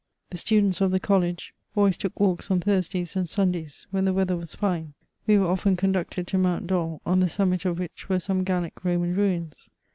The students of the college always took walks on Thursdays and Sundays, when the weather was fine. We were often conducted to Mount Dol, on the summit of which were some Gallic Roman ruins.